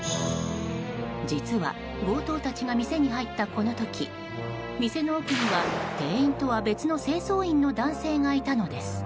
実は、強盗たちが店に入ったこの時、店の奥には店員とは別の清掃員の男性がいたのです。